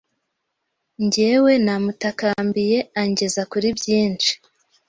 njyewe namutakambiye angeza kuri byinshi